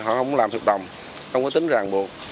họ không làm được đồng không có tính ràng buộc